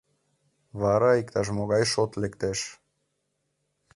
Вара иктаж-могай шот лектеш.